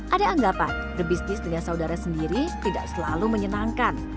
ada anggapan berbisnis dengan saudara sendiri tidak selalu menyenangkan